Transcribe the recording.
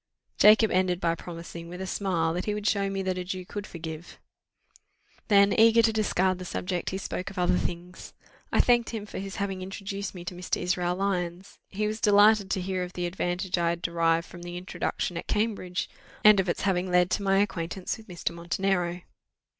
Jacob ended by promising, with a smile, that he would show me that a Jew could forgive. Then, eager to discard the subject, he spoke of other things. I thanked him for his having introduced me to Mr. Israel Lyons: he was delighted to hear of the advantage I had derived from this introduction at Cambridge, and of its having led to my acquaintance with Mr. Montenero.